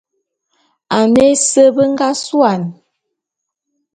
Ane ese be nga suane.